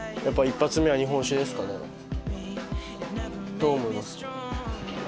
どう思います？